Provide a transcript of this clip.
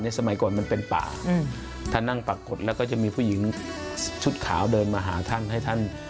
สมัยก่อนมันเป็นป่าท่านนั่งปรากฏแล้วก็จะมีผู้หญิงชุดขาวเดินมาหาท่านให้ท่าน